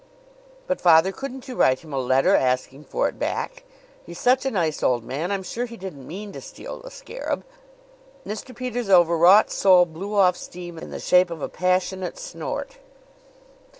"But, father, couldn't you write him a letter, asking for it back? He's such a nice old man! I'm sure he didn't mean to steal the scarab." Mr. Peters' overwrought soul blew off steam in the shape of a passionate snort.